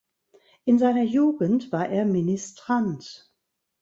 In seiner Jugend war er Ministrant.